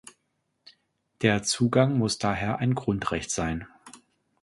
Der Zugang muss daher ein Grundrecht sein.